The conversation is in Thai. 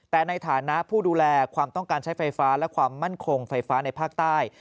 แต่ในฐานะผู้ดูแลความต้องการใช้ไฟฟ้าและความมั่นคงไฟฟ้าในภาคใต้